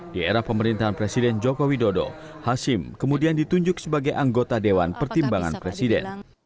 di era pemerintahan presiden joko widodo hashim kemudian ditunjuk sebagai anggota dewan pertimbangan presiden